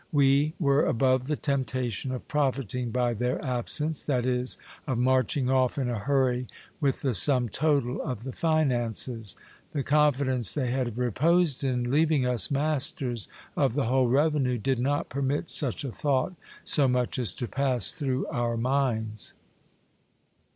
We were above the temptation of profiting by their absence, that is, of marching off in a hurry with the sumtotal of the finances : the confidence they had reposed in leaving us masters of the whole revenue, did not permit such a thought so much as to pass through our minds.